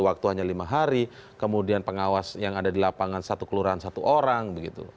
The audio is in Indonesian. waktu hanya lima hari kemudian pengawas yang ada di lapangan satu kelurahan satu orang begitu